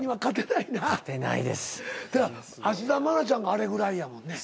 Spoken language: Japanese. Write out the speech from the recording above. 芦田愛菜ちゃんがあれぐらいやもんね。